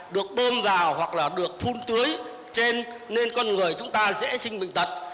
được bơm vào hoặc là được phun tưới trên nên con người chúng ta dễ sinh bệnh tật